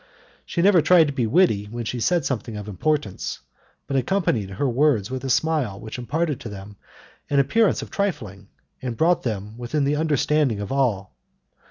She never tried to be witty when she said something of importance, but accompanied her words with a smile which imparted to them an appearance of trifling, and brought them within the understanding of all.